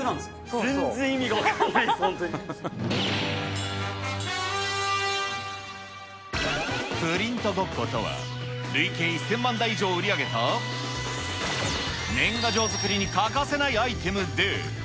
全然意味が分かんないです、プリントゴッコとは、累計１０００万台以上売り上げた、年賀状作りに欠かせないアイテムで。